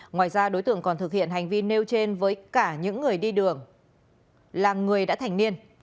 ngoài ra đối tượng còn thực hiện hành vi nêu trên với cả những người đi đường là người đã thành niên